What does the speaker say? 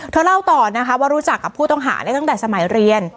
เธอเล่าต่อว่ารู้จักผู้ต้องหาตั้งแต่สมัยเรียน